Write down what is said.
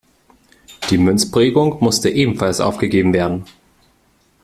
Die Münzprägung musste ebenfalls aufgegeben werden.